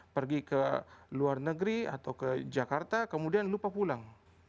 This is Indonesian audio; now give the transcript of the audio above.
pergi ke luar negeri atau ke jakarta kemudian lupa pulang